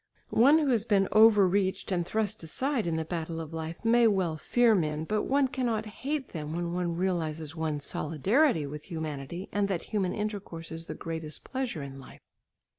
One who has been overreached and thrust aside in the battle of life may well fear men, but one cannot hate them when one realises one's solidarity with humanity and that human intercourse is the greatest pleasure in life.